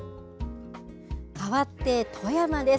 かわって富山です。